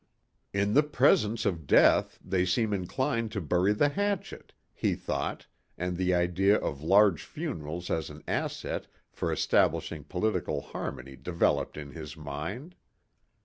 "In the presence of death they feel inclined to bury the hatchet," he thought and the idea of large funerals as an asset for establishing political harmony developed in his mind.